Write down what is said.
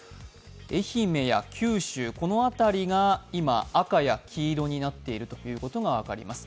愛媛や九州の辺りが今、赤や黄色になっているということが分かります。